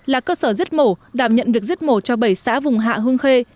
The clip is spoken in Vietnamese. là cơ sở giết mổ đảm nhận việc giết mổ cho bảy xã vùng hạ hương khê